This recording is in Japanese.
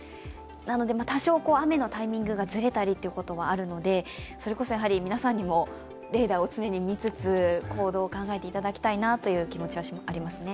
なので多少、雨のタイミングがずれたりすることはあるのでそれこそ皆さんにもレーダーを常に見つつ行動を考えていただきたいなという気持ちはありますね。